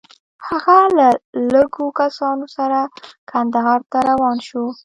هغه له لږو کسانو سره کندهار ته روان شو.